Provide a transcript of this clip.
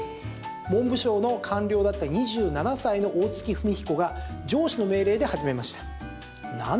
文部省の官僚だった２７歳の大槻文彦が上司の命令で始めました。